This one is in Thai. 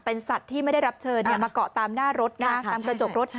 เป็นสัตว์ที่ไม่ได้รับเชิญมาเกาะตามหน้ารถนะตามกระจกรถ